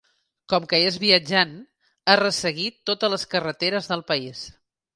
Com que és viatjant, ha resseguit totes les carreteres del país.